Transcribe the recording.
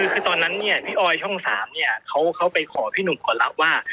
คือตอนนั้นเนี่ยพี่ออยช่อง๓เนี่ยเขาไปขอพี่หนุ่มก่อนแล้วว่า